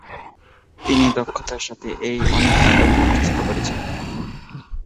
তিনি দক্ষতার সাথে এই অনেক নাটক মঞ্চস্থ করেছিলেন।